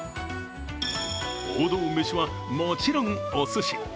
王道メシは、もちろんおすし。